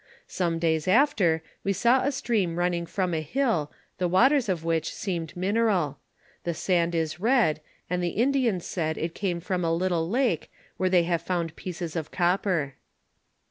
Some days after, we saw a stream running from a hill, the waters of which seemed mineral ; the sand is red, and the Indians said it came from a little lake where they have found pieces of copper.